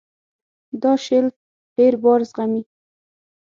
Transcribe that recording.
دا شیلف ډېر بار زغمي.